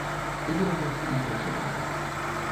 Ён іх і пачынаў.